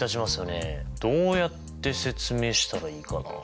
どうやって説明したらいいかな。